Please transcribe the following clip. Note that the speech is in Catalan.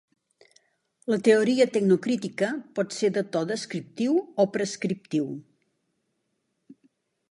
La teoria tecnocrítica pot ser de to "descriptiu" o "prescriptiu".